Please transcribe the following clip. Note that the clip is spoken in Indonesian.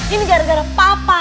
ini gara gara papa